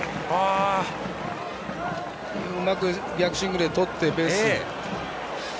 うまく逆シングルでとってベース。